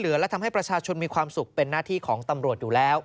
และทำให้ประชาชนมีความสุขเป็นหน้าที่ของตำรวจอยู่แล้ว